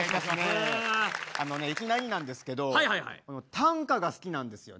あのねいきなりなんですけど短歌が好きなんですよね。